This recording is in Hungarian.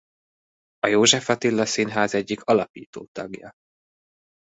A József Attila Színház egyik alapító tagja.